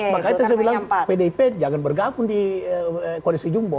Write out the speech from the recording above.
makanya saya bilang pdp jangan bergabung di kondisi jumbo